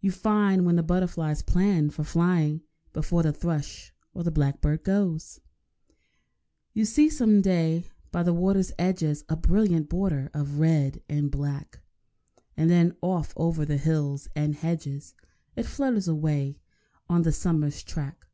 You find when the butterflies plan for flying (Before the thrush or the blackbird goes), You see some day by the water's edges A brilliant border of red and black; And then off over the hills and hedges It flutters away on the summer's track.